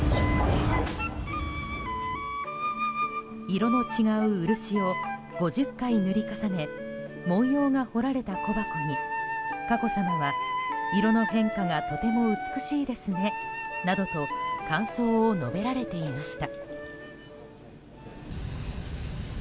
色の違う漆を５０回塗り重ね文様が彫られた小箱に佳子さまは、色の変化がとても美しいですねなどと感想を述べられていました。